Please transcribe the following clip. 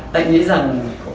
tại nghĩ rằng